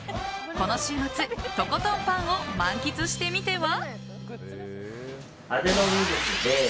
この週末とことんパンを満喫してみては？